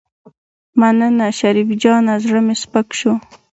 مننه شريف جانه زړه مې سپک شو.